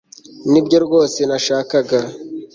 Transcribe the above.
nibyo rwose nashakaga